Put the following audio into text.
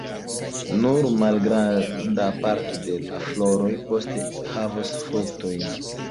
Nur malgranda parto de la floroj poste havos fruktojn.